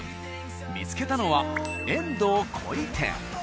見つけたのは「遠藤鯉店」。